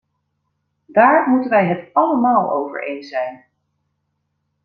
Daar moeten wij het allemaal over eens zijn.